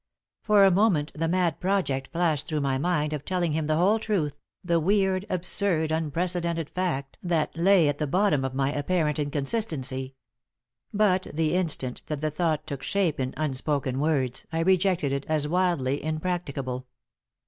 For a moment the mad project flashed through my mind of telling him the whole truth, the weird, absurd, unprecedented fact that lay at the bottom of my apparent inconsistency. But the instant that the thought took shape in unspoken words I rejected it as wildly impracticable.